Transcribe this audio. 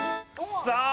さあ